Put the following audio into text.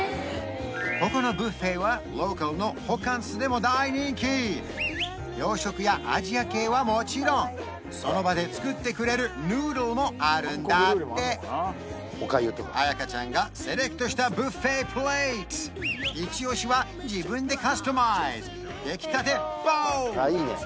ここのビュッフェはローカルのホカンスでも大人気洋食やアジア系はもちろんその場で作ってくれるヌードルもあるんだってあやかちゃんがセレクトしたビュッフェプレートイチオシは自分でカスタマイズ出来たてフォー！